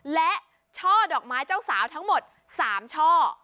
และช่อดอกไม้เจ้าสาวทั้งหมด๓ช่อ